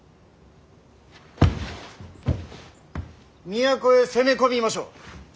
都へ攻め込みましょう。